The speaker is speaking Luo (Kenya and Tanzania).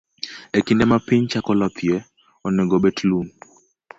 E kinde ma piny chako lothie, onego obet lum.